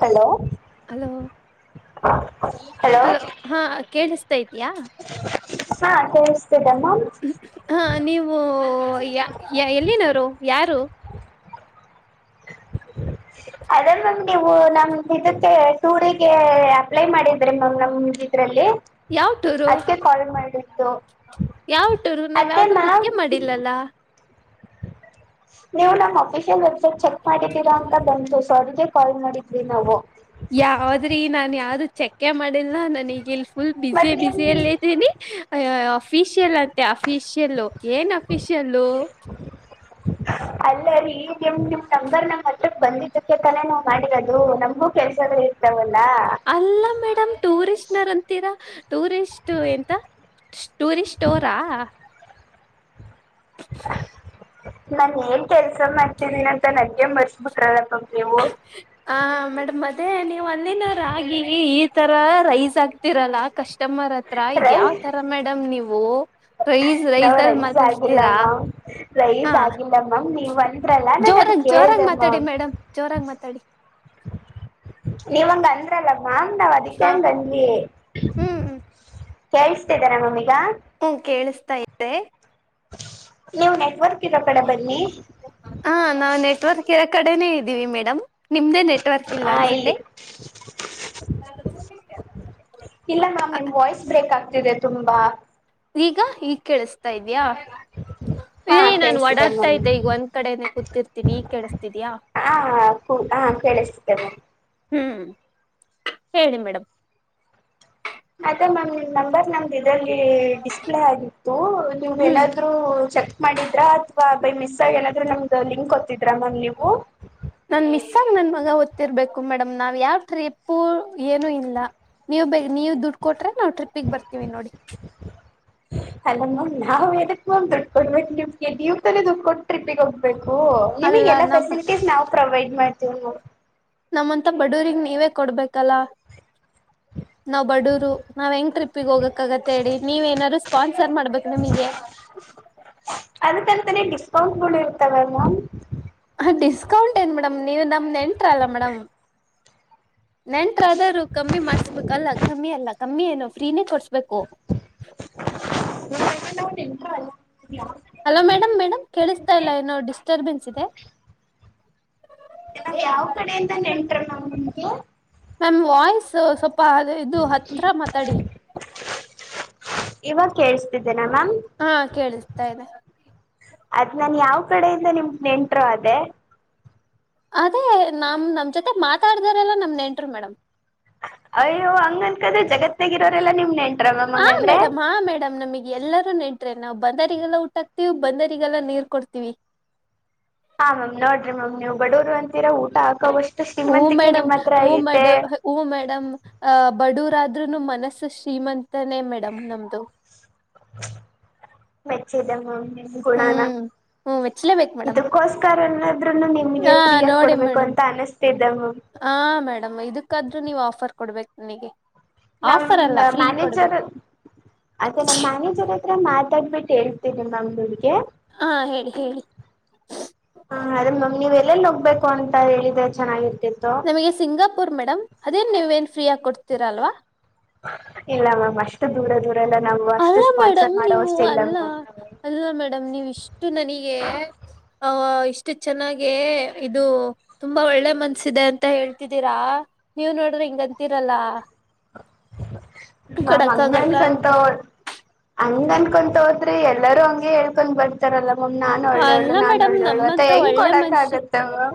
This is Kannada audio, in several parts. ಹಲೋ, ಹಲೋ, [unintelligible] ಹಲೋ ಲೋ ಹಾ ಕೇಳ ಹಾ, ಕೇಳಸ್ತಿದೆ ಹಾ, ನೀವು ಯ ಎಲ್ಲಿನವರು ಯಾರು? ಅದೇ ಮ್ಯಾಮ್ ನೀವು ನಮ್ ಇದಕ್ಕೆ ಟೂರಿಗೆ ಅಪ್ಲೈ ಮಾಡಿದ್ರಿ ಮ್ಯಾಮ್ ನಮ ಇದರಲ್ಲಿ ಯಾವಟೂರು- ಯಾವಟೂರು ನಾವ್ ಅತ್ತೆ ಯಾವ್ದ ಮ್ಯಾಮ್ ಬುಕ್ಕೇ ಮಾಡಿಲ್ಲಲ್ಲಾ. ನೀವು ನಮ್ಮ್ ಅಫಿಷಿಯಲ್ ವೆಬ್ಸೈಟ್ ಚೆಕ್ ಮಾಡಿದ್ದೀರಾ ಅಂತ ಬಂತು. ಸಾರ್ಗೆ ಕಾಲ್ ಮಾಡಿದ್ವಿ ನಾವು- ಹೌದ್ರಿ ನಾನ್ ಯಾವ್ದು ಚೆಕ್ಕೆ ಮಾಡಿಲ್ಲಾ ನನ್ ಈಗಲ್ ಪುಲ್ -ಪುಲ್ ಬಿಜೆ ಮತ್ ನಿಮ್ ಬಿಜಿಲ್ಲೇದಿನಿ ಅಯ್ಯ್ ಅಫಿಷಿಯಲ್ ಅಂತೆ ಆಫಿಷಿಯಲ್ ಏನ್ ಆಫಿಷಿಯಲ್ [inaudible] ಅಲ್ಲೇ ರೀಮ್ ನಿಮ್ ನಂಬರ್ ನಮ್ ಹತ್ರಕ್ ಬಂದಿದ್ದಕ್ಕೆ ತಾನೇ ನಾವು ಮಾಡಿರೋದು. ನಮಗೂ ಕೆಲ್ಸಗಳು ಇರ್ತಾವಲ್ಲ ಅಲ್ಲಾ ಮೇಡಮ್ ಟೂರಿಸ್ಟ್ನರ್ ಅಂತೀರಾ ಟೂರಿಸ್ಟ್ ಎಂತ ಸ್ಟೂರಿಸ್ಟ ಸ್ಟೋರಾ ನಾನ ಏನ್ ಕೆಲ್ಸ ಮಾಡ್ತನಿ ಅಂತ ನಗ್ಗೆ ಮರ್ಸ್ಬಿಟ್ರಲ್ಲಾಪನೀವು. ಹ ಮೇಡಮ್ ಮದೇ ನೀವ್ ಅಂದಿನ ರಾಗಿ ಈ ತರ ರೈಸ್ ಆಗ್ತೀರಲ್ಲಾ ಕಸ್ಟಮರ್ ಅ ಹತ್ರ ಇದ್ ಯಾವ್ ರೈಟ್ ತರ ಮೇಡಮ್ ನೀವು ರೈಸ್ ನಾವ್ ರೈಸ್ ಅಲ್ಲಿ ಆಗಿಲ್ಲ ಮಾತಾಡ್ತೀರಾ--‌ ಮ್ಯಾಮ್ ರೈಸ್ ಆಗಿಲ್ಲ ಮ್ಯಾಮ್ ನೀವ್ ಅಂದ್ರಲ್ಲ ನಾನ ಅದ ಕೇಳಿದೆ ಮ್ಯಾಮ್ ಜೋರಾಗಿ ಮಾತಾಡಿ. ನೀವ ಹಂಗ ಅಂದ್ರಲ್ಲ ಮ್ಯಾಮ್ ನಾವ್ ಅದಿಕ್ಕೆ ಹ ಹೆಂಗ ಅ ಹ್ಮ್ ಹ್ಮ್ ಕೇಳಸ್ತಿದ್ದಾರ ಮ್ಯಾಮ ಈವಾಗ. ಹ್ಮ್, ಕೇಳಿಸ್ತಾ ಇದೆ - ನೀವು ನೆಟ್ವರ್ಕ್ ಇರೋ ಕಡೆ ಬನ್ನಿ ಹಾ, ನಾವು ನೆಟ್ವರ್ಕ್ರ ಇರ ಕಡೆನೇ ಇದ್ದೀವಿ ಮೇಡಮ್, ನಿಮ್ದೇ ನೆಟ್ -ನೆಟವರ್ಕ್ ಇಲ್ಲ ಹಾ ಇಲ್ಲಿ ಅನ್ಸುತ್ತೆ. ಇಲ್ಲ ಮ್ಯಾಮ್ ನಿಮ್ ವಾಯ್ಸ್ ಬ್ರೇಕ್ ಆಗ್ತಿದೆ ತುಂಬಾ ಈಗ ಈಗ್ ಕೇಳಿಸತಾ ಇದ್ಯಾ ಹ [inaudible] ಇರೀ ನಾನ್ ಓಡಾಡ್ತಿದ್ದೆ ಒಂದು ಕಡೆಗೆ ಕುಂತಿರ್ತಿನಿ ಈಗ ಕೇಳ್ತಾ ಇದೀಯಾ ಹ, ಹ ಕೇಳಿಸ್ತಿದ್ದೇ ಮಾಮ್ ಹ್ಮ್, ಹೇಳಿ ಮೇಡಮ್ ಆಯ್ತ ಮ್ಯಾಮ್ ನಿಮ್ಮ ನಂಬರ್ ನಮ್ದು ಇದರಲ್ಲಿ ಡಿಸ್ಪ್ಲೇ ಆಗಿತ್ತು ನೀವು ಹ್ಮ್ ಏನಾದ್ರು ಚೆಕ್ ಮಾಡಿದ್ರಾ ಅಥವಾ ಬೈ ಮಿಸ್ ಆಗಿ ಏನಾದ್ರೂ ನಮ್ದ ಲಿಂಕ್ ಒತ್ತಿದ್ರಾ ಮ್ಯಾಮ್ ನೀವು. ನಾನ್ ಮಿಸ್ ಆಗ ನನ್ ಮಗ ಒತ್ತಿರಬೇಕ್ ಮೇಡಮ್ ನಾವ್ ಯಾವ ಟ್ರಿಪ್ಪು ಏನು ಇಲ್ಲ. ನೀವು ಬ ನೀವು ದುಡ್ಡು ಕೊಟ್ರೆ ನಾವ್ ಟ್ರಿಪಿಗ್ ಬರ್ತೀವಿ ನೋಡಿ. ಅಲೋ ಮಾಮ್ ನಾವುಎದಕ್ಕ ದುಡ್ಡು ಕೊಡ್ಬೇಕು ನಿಮ್ಗೆ ನೀವ್ ತಾನೇ ದುಡ್ಡು ಕೊಟ್ಟು ಟ್ರಿಪಿಗೆ ಹೋಗ್ಬೇಕು ಅಲ್ಲ ನಿಮಗ್ಗೆಲ್ಲಾ ನಮ್ ಫೆಸಿಲಿಟಿ ಸ್ ನಾವು ಪ್ರೊವೈಡ್ ಮಾಡ್ತೀವಿ ನ ನಮ್ಮಂತ ಬಡೂರಿಗ್ ನೀವೇ ಕೊಡ್ಬೇಕಲ್ಲ ನಾವ್ ಬಡೂರು ನಾವ ಹೆಂಗ್ ಟ್ರಿಪ್ ಗೆ ಹೋಗಕ್ಕಗತ್ತ ಹೇಳಿ ನೀವ ಏನಾದ್ರು ಸ್ಪಾನ್ಸರ್ ಮಾಡ್ಬೇಕು ನಿಮಗೆ. ಅದಕ್ ಅಂತಲೇ ಡಿಸ್ಕೌಂಟ್ಗಳು ಇರತವೆ ಅಲ್ ಮಾಮ್. ಹ ಡಿಸ್ಕೌಂಟ್ ಏನ್ ಮೇಡಮ್ ನೀವು ನಮ ನೆಂಟರ್ ಅಲ್ಲ ಮೇಡಮ್. ನೆಂಟರ ಆದದಾದ್ರು ಕಮ್ಮಿ ಮಾಡ್ಸ್ಬೇಕಲ್ಲ ಕಮ್ಮಿ ಅಲ್ಲ ಕಮ್ಮಿ ಏನು ಫ್ರೀ ನೇ ಕೊಡ್ಸ್ಬೇಕು. [unintelligible] ಹಲೋ ಮೇಡಮ್ ಮೇಡಮ್ ಕೇಳಿಸ್ತಾ ನಿಮ್ಗೆ ಇಲ್ಲ ಏನೋ ಡಿಸ್ಟರ್ಬೆನ್ಸ್ ಇದೆ. ನಾವ್ ಯಾವ್ ಕಡೆಯಿಂದ ನೆಂಟ್ರ ಅಮ್ಮ ನಿಮ್ಗೆ. ಮ್ಯಾಮ್ ವಾಯ್ಸ್ ಸ್ವಲ್ಪ ಅದು ಇದು ಹತ್ರ ಮಾತಾಡಿ. ಇವಾಗ ಕೇಳ್ಸ್ತಿದ್ದೇನಾ ಮ್ಯಾಮ್. ಹಾ ಕೇಳಿಸ್ತಾ ಇದೆ. ಅದ ನಾನ ಯಾವ ಕಡೆಯಿಂದ ನಿಮ್ದ ನೆಂಟರು ಅದೇ ಅದೇ ನಮ್ ನಮ್ ಜೊತೆ ಮಾತಾಡಿದರೆ ಎಲ್ಲಾ ನಮ್ ನೆಂಟರು ಮೇಡಮ್. ಅಯ್ಯೋ ಹಂಗ ಅನ್ಕದೆ ಜಗತ್ತನಗಿರೋರೆಲ್ಲಾ ನಿಮ್ ನೆಂಟ್ ಹಾ ಮೇಡಮ್ ಹಾ ಮೇಡಮ್ ನಮಿಗ್ ಎಲ್ಲರೂ ನೆಂಟ್ರೆ ನಾವ ಬಂದರಿಗೆರಿಗೆಲ್ಲ ಊಟಾಕ್ತಿವಿ ಬಂದರಿಗೆಲ್ಲ ನೀರ್ ಕೊಡ್ತಿವಿ. ಹಾ ಮ್ಯಾಮ್ ನೋಡ್ರಿ ಮ್ಯಾಮ್ ನೀವು ಬಡವರು ಅಂತೀರಾ ಊಟ ಹಾಕೋವಷ್ಟು ಸಿೀಮಂತಿಕ ನಿಮ್ಮ ಹತ್ರ ಐತೆ. ಹು ಮೇಡಮ್ ಅ ಬಡವರಾದ್ನು ಮನಸ್ಸು ಶ್ರೀಮಂತನೇ ಮೇಡಮ್ ನಮ್ದು. ಮೆಚ್ಚದೆ ಮಾಮ್ ನಿಮ್ ಗುಣಾನ. ಮೇಚ್ಚಲೆಬೇಕ ಇದಕ್ಕೋಸ್ಕರ ಎನ್ನಾದ್ೂನು ನಿಮ್ಗೆ ಫ್ರೀಯಗ ನೋಡಿ ಕೊಡ್ಬೇಕು ಮೇಡಮ್ ಅಂತ ಅನಸ್ತ ಇದ್ದೆ ಮಾಮ್. ಹಾ ಮೇಡಮ್ ಇದಕ್ಕಾದ್ರೂ ನೀವು ಆಫರ್ ಕೊಡ್ಬೇಕು ನನಿಗೆ. ನಮ ಮ್ಯಾನೇಜರ್ ಅದೆ ನಮ್ಮ್ ಮ್ಯಾನೇಜರ್ ಹತ್ರ ಮಾತಾಡ್ಬಿಟ್ಟು ಹೇಳ್ತೀನಿ ಮ್ಯಾಮ್ ಬೆಳಿಗ್ಗೆ. ಹಾ ಹೇಳಿ ಹೇಳಿ. ಹಾ ಅದೇ ಮ್ಯಾಡಮ್ ನೀವ್ ಎಲ್ಲೆಲ್ಲಿ ಹೋಗ್ಬೇಕು ಅಂತ ಹೇಳಿದೆ ಚೆನ್ನಾಗಿರ್ತಿತ್ತು. ನಮಗೆ ಸಿಂಗಾಪುರ್ ಮೇಡಮ್ ಅದೇ ನೀವ ಏನ್ ಫ್ರೀ ಆಗ ಕೊಡ್ತಿೀರಲ್ವಾ. ಇಲ್ಲ ಮ್ಯಾಮ್ ಅಷ್ಟು ದೂರ ದೂರ ಎಲ್ಲ ನಾವು ಅಷ್ಟು ಅಲ್ಲ ಸ್ಪಾನ್ಸರ್ ಮೇಡಮ್ ನೀವು ಮಾಡೋಷ್ಟೇ ಇಲ್ಲ ಅಲ್ಲ ಮ್ಯಾಮ್ ಅಲ್ಲ ಮೇಡಮ್ ನೀವ್ ಇಷ್ಟು ನನಿಗೆ. ಅಹ ಇಷ್ಟು ಚೆನ್ನಾಗೆ ಇದು ತುಂಬಾ ಒಳ್ಳೆ ಮನ್ಸಿದೆ ಅಂತ ಹೇಳ್ತಿದ್ದೀರಾ ನೀವ ನೋಡ್ರಿ ಹಿಂಗಂತೀರಲ್ಲಾ. ಮಾಮ್ ಹಂಗ್ ಕೊಡಕ್ಕಾಗಲ್ಲ ಅನ್ಕೊಂತಾ ಅಂತ ಹೋದ್ ಹಂಗ ಅನ್ಕೊಂತ ಹೋದ್ರೆ ಎಲ್ಲರೂ ಹಂಗೆ ಹೇಳ್ಕೊಂಡ್ ಬರ್ ಆ ತರಲ್ಲ ಮಮ್ ನಾನ್ ಒಳ್ಳೇಳು ಅಲ್ಲ ನಾನ್ ಮೇಡಮ್ ಒಳ್ಳೇಳು ಅಂತ ನಮ್ಮಂತ ಹೆಂಗ್ ಒಳ್ಳೆ ಕೊಡಕ್ ಮನುಷ್ಯ ಆಗತ್ತೆ ಮಾಮ್.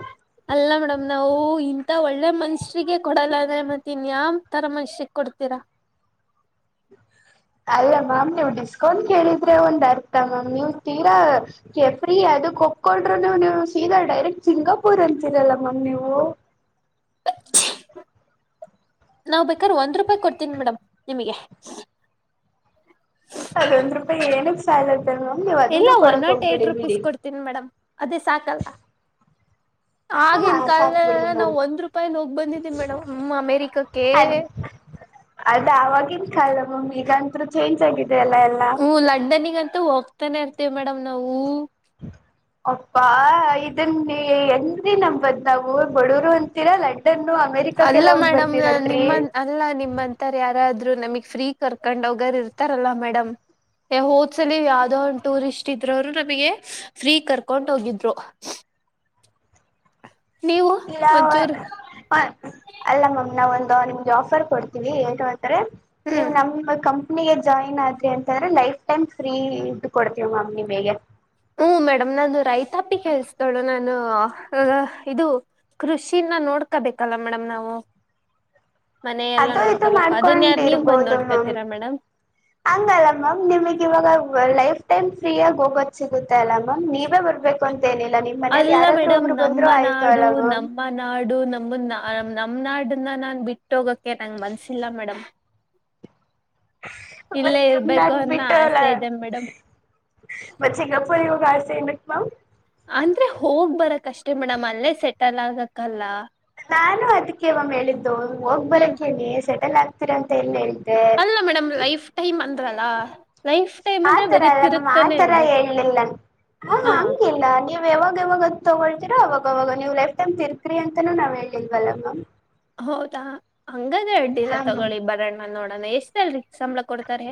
ಅಲ್ಲ ಮೇಡಮ್ ನಾವು ಇಂತ ಒಳ್ಳೆ ಮನುಷರಿಗೆ ಕೊಡಲ್ಲ ಅಂದ್ರೆ ಮತ್ತ ಇನ್ಯಾವ್ ತರ ಮನ್ಷರಿಗೆ ಕೊಡ್ತೀರಾ ಅಲ್ಲ ಮ್ಯಾಮ್ ನೀವ್ ಡಿಸ್ಕೌಂಟ್ ಕೇಳಿದ್ರೆ ಒಂದ್ ಅರ್ಥ ಮ್ಯಾಮ್ ನೀವ್ ತೀರಾ ಓಕೆ ಫ್ರೀ ಅದು ಒಪ್ಕೊಂಡ್ರು ನೀವು ಸೀದಾ ಡೈರೆಕ್ಟ್ ಸಿಂಗಾಪೂರ್ ಅಂತಿರಲ್ಲ ಮ್ಯಾಮ್ ನೀವು [inaudible] ನಾವ್ ಬೇಕಾದ್ರ ಒಂದ್ ರೂಪಾಯಿ ಕೊಡ್ತೀನಿ ಮೇಡಮ್ ನಿಮಗೆ. ಅದೊಂದ್ ರೂಪಾಯಿ ಏನಕ್ ಸಾಲರ್ತದೆ ಮಾಮ್ ನೀವು ಇಲ್ಲ ಅದನ್ನೂ ಒನ್ ಕೊಡಕ್ ನಾಟ್ ಏಟ್ ಹೋಗ್ಬೇಡಿಬಿಡಿ. ರುಪೀಸ್ ಕೊಡ್ತೀನಿ ಮೇಡಮ್ ಅದೇ ಸಾಕಲ್ವ. [inaudible] ಆಗಿನ ಸಾಕ್ ಬಿಡಿ ಕಾಲದಲೆಲ್ಲ ನಾವ ಮ್ಯಾಮ್ ಒಂದ್ ರೂಪಾಯಿ ಲ್ ಹೋಗಿ ಬಂದಿದೀವಿ ಮೇಡಮ್ ಅಮೇರಿಕಕ್ಕೆ. ಅದ್ ಅದ ಆವಾಗಿನ್ ಕಾಲ ಮಾಮ್ ಈಗಂತ್ರೂ ಚೇಂಜ್ ಆಗಿದೆ ಅಲ್ಲಾ ಎಲ್ಲ ಹ ಲಂಡನಿಗ ಅಂತ ಹೋಗ್ತಾನೆ ಇರ್ತೀವಿ ಮೇಡಮ್ ನಾವು. [inaudible] ಅಪ್ಪಾ ಇದನ್ನ ಎಂಗ್ರಿ ನಂಬೋದು ನಾವು ಬಡೂರು ಅಂತೀರಾ ಲಂಡನ್ನು. ಅಮೆರಿಕಾಕ್ಕೆಲ್ಲ ಹೋಗ್ ಬರ್ತರಲ್ರರಿ. ಎಲ್ಲಾ ನಿಮ್ಮಂತರ್ ಯಾರಾದ್ರು ನಮಗ್ ಫ್ರೀ ಕರ್ಕೊಂಡ್ ಹೋಗರ್ ಇರ್ತಾರಲ್ಲ ಮೇಡಮ್. ಹೋದ್ಸಲ್ಲಿ ಯಾವ್ದೋ ಒಂದು ಟೂರಿಸ್ಟ್ ಇದ್ರೋರು ನಮಗೆ. ಫ್ರೀ ಕರ್ಕೊಂಡ್ ಹೋಗಿದ್ರು. ನೀವು ಇಲ್ಲ ಒಂಚೂರು ಅಲ್ಲ ಮ್ಯಾಮ್ ನಾವ ಒಂದು ನಿಮ್ಗೆ ಆಫರ್ ಕೊಡ್ತೀವಿ. ನೀವು ಹ್ಮ್ ನಮ್ಮ. ಕಂಪನಿಗೆ ಜಾಯಿನ್ ಆದ್ರಿ ಅಂತಂದ್ರೆ ಲೈಫ್ ಟೈಮ್ ಫ್ರೀ ಇದ ಕೊಡ್ತೀವಿ ಮ್ಯಾಮ್ ನಿಮಗೆ. ಹ್ಮ ಮೇಡಮ್ ನಾನು ರೈತಾಪ್ಪಿ ಕೆಳ್ಸದೋಳು ನಾನು ಇದು. ಕೃಷಿನ ನೋಡ್ಕಬೇಕಲ್ಲ ಮೇಡಮ್ ನಾವು. ಮನಯೇಲ್ಲಾ ಅದು ಇದು ನೋಡ್ಕೋಬೇಕು ಅದನ್ ಯಾರು ನೀವ್ ಬಂದ್ ಮಾಡ್ಕೊಂಡಿರ್ಬೋದು ಮ್ಯಾಮ್ ನೋಡ್ಕೊತೀರಾ ಮೇಡಮ್. ಹಂಗಲ್ಲ ಮ್ಯಾಮ್ ನಿಮಗೆ ಇವಾಗ ಲೈಫ್ ಟೈಮ್ ಫ್ರೀಹಾಗಿ ಹೋಗೋದು ಸಿಗುತ್ತೆ ಅಲ್ಲ ಮ್ಯಾಮ್ ನೀವೇ ಬರ್ಬೇಕ. ಕುಂತೇನಿಲ್ಲ ನಿಮ್ಮ್ ಮನಲಿ ಅಲ್ಲ ಯಾರಾದ್ರೂ ಮೇಡಮ್ ಒಬ್ರು ನಮ್ಮ ಬಂದ್ರು ಆಯ್ತು ನಾಡು ಅಲ್ವಾ ನಮ್ಮ ನಾಡು ನಮನ್ನ ನಮ್ ನಾಡನ್ನ ನಾನ್ ಬಿಟ್ಟು ಹೋಗೋಕೆ ಮನ್ಸಿಲ್ಲ ಮೇಡಮ್. ಮತ್ತ ಇಲ್ಲೇ ನಿಮ್ಮ ಇರ್ಬೇಕು ಅನ್ನೋ ಬಿಟ್ಟು ಹೋಗ್ಲಾ. ಆಸೆ ಇದೆ ಮೇಡಮ್ [unintelligible] ಅಂದ್ರೆ ಹೋಗ್ ಬರಕ್ ಅಷ್ಟೇ ಮೇಡಮ್ ಅಲ್ಲೇ ಸೆಟಲ್ ಆಗಕಲ್ಲ. ನಾನು ಅದಕ್ಕೆ ಮ್ಯಾಮ್ ಹೇಳಿದ್ದು ಹೋಗ್ ಹ್ಮ್ ಬರಕ್ಕೇನೇ ಸೆಟಲ್ ಆಗ್ತೀರಾ ಅಂತ ಎಲ್ಲಿ ಹೇಳಿದೆ. ಅಲ್ಲ ಮೇಡಮ್ ಲೈಫ್ ಟೈಮ್ ಅಂದ್ರಲ್ಲ ಲೈಫ್. ಟೈಮ್ ಅಂದ್ರೆ ಆತರ ಬರೀ ಅಲ್ಲ ಮ್ಯಾಮ್ ತಿರುಗ್ತಾನೆ ಆತರ ಇರ್ಬೇಕು ಹೇಳ್ಲಿಲ್ಲ ಹ್ಮ್ ಹಾ ಹಂಗಿಲ್ಲ ನೀ. ಯಾವಾಗ ಯಾವಾಗ ತಗೊಳ್ತಿರೋ ಅವಾಗವಾಗ ನೀವು ಲೈಫ ಟೈಮ್ ತಿರ್ಕ್ರಿ ಅಂತಾನೂ ನಾವ್ ಹೇಳಿಲ್ವಲ್ಲ ಮ್ಯಾಮ್. ಹೌದಾ ಹಂಗಾದ ಅಡ್ಡಿಲ್ಲ ಹಾ ಮ್ಯಾಮ್ ತಗೊಳ್ಳಿ ಬರಣ್ಣ ನೋಡೋಣ ಎಷ್ಟ ಅಲ್ರಿ ಸಂಬಳ ಕೊಡ್ತಾರೆ.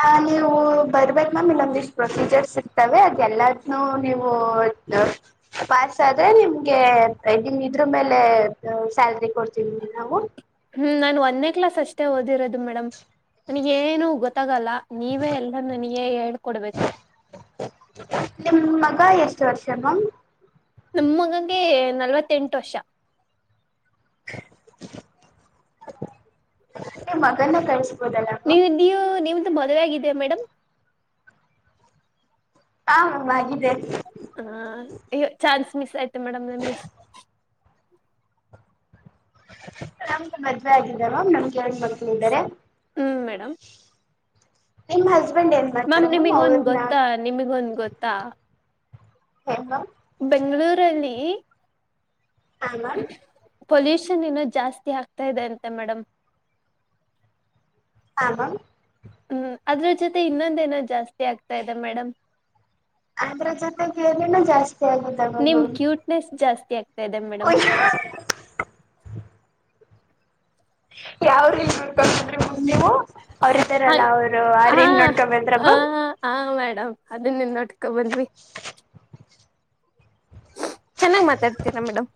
ಆ ನೀವು ಬರ್ಬೇಕ್ ಮ್ಯಾಮ್ ಇಲ್ಲೊಂದು ಇಷ್ಟು ಫರ್ನಿಚರ್ ಇರ್ತವೆ ಅದೆಲ್ಲದನು ನೀವು. ಪಾಸ್ ಆದ್ರೆ ನಿಮ್ಗೆ ನಿಮ್ ಇದ್ರ ಮೇಲೆ ಸ್ಯಾಲ್ರಿ ಕೊಡ್ತೀವಿ ನಾವು. ಹ್ಮ್ ನಾನ್ ಒಂದೇ ಕ್ಲಾಸ್ ಅಷ್ಟೇ ಓದಿರೋದು ಮೇಡಮ್ ನನ್ಗ ಏನು ಗೊತ್ತಾಗಲ್ಲ. ನೀವೇ ಎಲ್ಲ ನನಗ ಹೇಳ್ಕೊಡ್ಬೇಕು. ನಿಮ್ಮ ಮಗ ಎಷ್ಟು ವರ್ಷಮ್ಯಾಮ್ ನಮ್ಮ ಮಗನಿಗೆ ನಲ್ವತು ಎಂಟು ವರ್ಷ. ನಿಮ್ಮ ಮಗನ ಕಳಿಸಿ. ನೀ ನೀ ನಿಮ್ದ ಮದುವೆ ಆಗಿದಿಯಾ ಮೇಡಮ್. ಹ ಮೇಡಂ ಆಗಿದೆ. ಹ ಚಾನ್ಸ್ ಮಿಸ್ ಆಯ್ತೆ ಮೇಡಮ್ ನಮಗೆ. ನಮಗೆ ಮದ್ವೆ ಆಗಿದ್ದ ಮ್ಯಾಮ್ ನಮ್ಗೆ ಎರಡು ಮಕ್ಕಳು ಇದ್ದರೆ. ಹ್ಮ ಮೇಡಮ್ ನಿಮ್ಮ ಹಸ್ಬೆಂಡ್ ಏನ್ ಮಾಡ್ತಾರ ಮ್ಯಾಮ್ ನಿಮಗೊಂದ್ ಅವ್ರನ್ನ ಗೊತ್ತಾ ನಿಮಗೊಂದ್ ಗೊತ್ತಾ. ಏನ್ ಮ್ಯಾಮ್ ಬೆಂಗಳೂರಲ್ಲಿ. ಹಾ ಮ್ಯಾಮ್. ಪೊಲ್ಯೂಷನ್ ಇನ್ನೋ ಜಾಸ್ತಿ ಆಗ್ತಾ ಇದೆ ಅಂತೆ ಮೇಡಮ್. ಹಾ ಮ್ಯಾಮ್ ಹ್ಮ್ ಅದ್ರ ಜೊತೆ ಇನ್ನೊಂದೇನೋ ಜಾಸ್ತಿ ಆಗ್ತಾ ಇದೆ ಮೇಡಮ್. ಅದ್ರ ಜೊತೆಗೆ ಇನ್ನೇನೋ ಜಾಸ್ತಿ ಆಗುತ್ತೆ. ನಿಮ್ ಕ್ಯೂಟ್ನೆಸ್ ಜಾಸ್ತಿ ಆಗ್ತಾ ಇದೆ ಮೇಡಮ್. ಯಾವ್ರೀ [unintelligible] ನೀವು ಅವ್ರ ಹಾ ಇದ್ದಾರಲ್ಲ ಅವ್ರು ಆ್ರನ್ ನೋಡ್ಕೊಬೇಕಂದ್ರ ಮೇಡಂ ಹಾ ಮೇಡಮ್ ಅದನ್ನೇ ನೋಡ್ಕೊಂಡ ಬಂದ್ವಿ ಚೆನ್ನಾಗಿ ಮಾತಾಡ್ತೀರಾ madam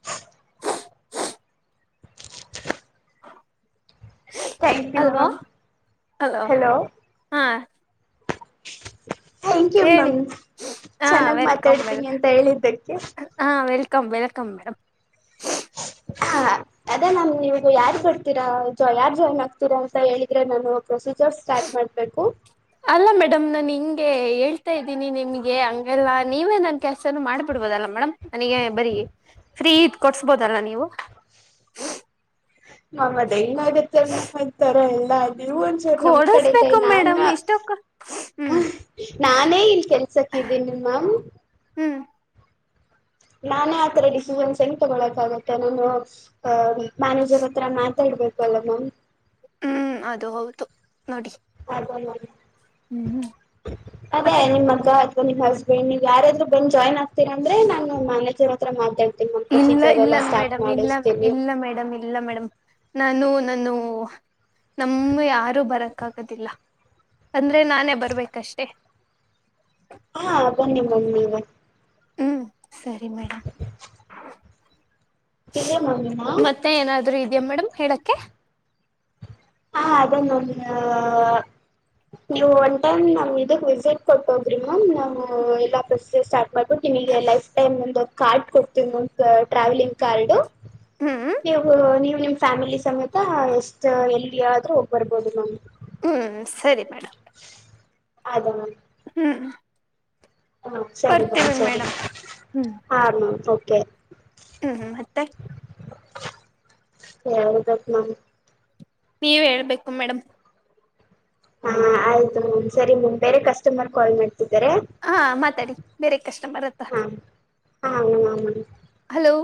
thank you hello ma'am hello ಹಾ ಥ್ಯಾಂಕ್ ಯು ಹೇಳಿ ಮ್ಯಾಮ್ ಹಾ ಚೆನ್ನಾಗ್ ವೆಲ್ಕಮ್ ವೆಲ್ ಮಾತಾಡ್ತೀನಿ ಅಂತ ಹೇಳಿದ್ದಕ್ಕೆ ಹಾ ವೆಲ್ಕಮ ವೆಲ್ಕಮ ಮೇಡಮ್ [inaudible] ಹಾ ಅದೇ ನಮ ನೀವು ಯಾರ್ ಬರ್ತೀರಾ ಸೋ ಯಾರ್ ಜಾಯಿನ್ ಆಗ್ತೀರಾ ಅಂತ ಹೇಳಿದ್ರೆ ನಾನು ಪ್ರೊಸೀಜರಸ್ ಸ್ಟಾರ್ಟ್ ಮಾಡಬೇಕು ಅಲ್ಲಾ ಮೇಡಮ್ ನಾನ್ ಹಿಂಗೆ ಹೇಳ್ತಾ ಇದ್ದೀನಿ ನಿಮ್ಗೆ ಹಂಗೆಲ್ಲಾ ನೀವೇ ನನ್ ಕೆಲಸಾನು ಮಾಡ್ಬಿಡ್ಬೋದಲ್ಲ ಮೇಡಮ್ ನನಗೆ ಬರೀ ಫ್ರೀ ಇಟ್ ಕೊಡ್ಸ್ಬೋದಲ್ಲಾ ನೀವು [unintelligible] ನಮ ಕಡೆ ಗೇ ಕೊಡಸ್ಬೇಕು ಮೇಡಮ್ ನಾನು ಇಷ್ಟೊಕ್ಕ ಹ್ಮ್ ನಾನೇ ಇಲ್ಲಿ ಕೆಲ್ಸಕ್ಕೆ ಇದ್ದೀನಿ ಮ್ಯಾಮ್ ಹ್ಮ್ ನಾನೇ ಆತರ ಡಿಸಿಷನ್ಸ್ ಹೆಂಗ ತಗೊಳಕಾಗುತ್ತೆ ನಾನು ಮ್ಯಾನೇಜರ್ ಹತ್ರ ಮಾತಾಡ್ಬೇಕಲ್ಲಾ ಮ್ಯಾಮ್ ಹ್ಮ್ ಅದು ಹೌದು ನೋಡಿ. ಹ್ಮ್ [unintelligible] ಅದೇ ಮತ್ತೆ ನಿಮ್ಮ ಮಗಾ ನಿಮ್ಮ ಹಸ್ಬೆಂಡ ಯಾರಾದ್ರು ಬಂದು ಜಾಯ್ನ್ ಆಗ್ತೀರ ಅಂದ್ರೆ ನಾನು ಮ್ಯಾನೇಜರ್ ಹತ್ರ ಮಾತಾಡ್ತೀನ ಇಲ್ಲಾ ಇಲ್ಲಾ ಮೇಡಮ್ ಇಲ್ಲಾ ಇಲ್ಲಾ ಮೇಡಮ್ ಇಲ್ಲಾ ಇಲ್ಲಾ ಮೇಡಮ್ ನಾನು ನಾನು ನಮ್ಮ ಯಾರು ಬರಕ ಆಗುದಿಲ್ಲ ಅಂದ್ರೆ ನಾನೇ ಬರ್ಬೇಕಷ್ಟೇ ಹಾ ಬನ್ನಿ ಬನ್ನಿ ಹ್ಮ್ಂ ಸರಿ ಮೇಡಮ್ ಇದೇ ಮಮ್ಮಿನಾ ಮತ್ತೆ ಏನಾದ್ರು ಇದೆಯಾ ಮೇಡಮ್ ಹೇಳಕೆ ಹಾ ಅದನೋಡಿ ಮೇ ಅ ನೀವು ಒನ್ ಟೈಮ್ ನಮ್ ಇದಕ್ ವಿಸಿಟ್ ಕೊಟ್ಟ ಹೋಗ್ರಿ ಮ್ಯಾಮ್ ನಾವು ಇಲ್ಲಾ ಪ್ರೊಸೀಜರ್ ಸ್ಟಾರ್ಟ್ ಅದು ನಿಮಗೆ ಲೈಫ್ ಟೈಮ್ ಒಂದು ಕಾರ್ಡ್ ಕೊಡ್ತೀವಿ ಟ್ರಾವೆಲಿಂಗ್ ಕಾರ್ಡು ಹ್ಮ್ ನೀವು ನೀವು ನಿಮ್ ಫ್ಯಾಮಿಲಿ ಸಮೇತ ಎಷ್ಟ ಎಲ್ಲೀ ಯಾದ್ರೂ ಹೋಗಿ ಬರಬಹುದು ಮ್ಯಾಮ್ ಹ್ಮ್ ಸರಿ ಮಾಡಿ ಅದ ಮ್ಯಾಮ ಹುಂ ಹಾಂ ಸರಿ ಮ್ಯಾಮ ಸರಿ ಮೇಡಮ್ ಹಾ ಮ್ಯಾಮ್ ಓಕೆ ಹೂ ಹೂ ಮತ್ತೆ ಹೇಳಬೇಕ ಮ್ಯಾಮ್ ನೀವ ಹೇಳ್ಬೇಕು ಮೇಡಮ್ ಹಾ ಆಯ್ತು ಮ್ಯಾಮ್ ಸರಿ ಮ್ಯಾಮ್ ಬೇರೆ ಕಸ್ಟಮರ್ ಕಾಲ ಮಾಡ್ತಿದ್ದಾರೆ ಹಾ ಮಾತಾಡಿ ಬೇರೆ ಕಸ್ಟಮರ್ ಹತ್ರಾ ಹಾ ಹಾ ಮ್ಯಾಮ್ ಹಲೋ